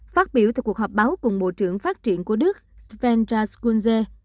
phát biểu tại cuộc họp báo cùng bộ trưởng phát triển của đức sven raskunze